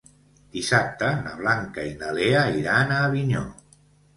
Dissabte na Blanca i na Lea iran a Avinyó.